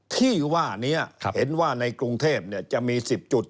ที่ว่านี้เห็นว่าในกรุงเทพจะมี๑๐จุด